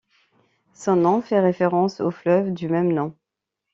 Son nom fait référence au fleuve du même nom.